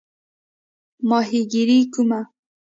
ماهیګیري کوم؟